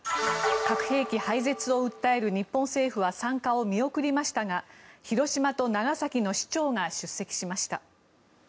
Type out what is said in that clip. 核兵器廃絶を訴える日本政府は参加を見送りましたが広島と長崎の市長が出席しました。